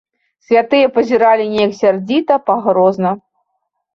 Святыя пазіралі неяк сярдзіта, пагрозна.